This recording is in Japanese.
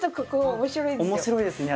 面白いですよ。